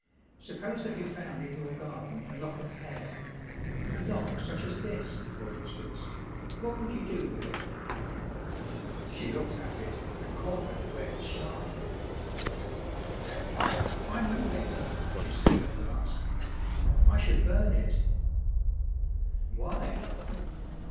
"Suppose that you found in your garden a lock of hair a lock such as this, for instance what would you do with it?" She looked at it, and caught her breath sharply. "I'm no meddler," she said at last; "I should burn it." "Why?"